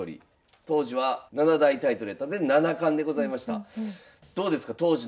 当時は７大タイトルやったんで七冠でございました。